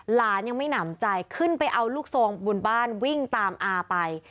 หลานยังไม่หนำใจขึ้นไปเอาลูกทรงบนบ้านวิ่งตามอาไป